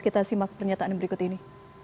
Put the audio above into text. kita simak pernyataan berikut ini